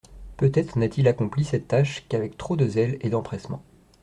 Peut-être n'a-t-il accompli cette tâche qu'avec trop de zèle et d'empressement.